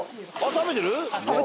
食べてる。